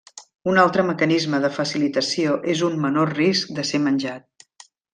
Un altre mecanisme de facilitació és un menor risc de ser menjat.